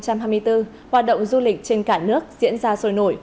hoạt động du lịch trên cả nước diễn ra sôi nổi